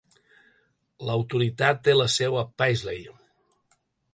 L'autoritat té la seu a Paisley.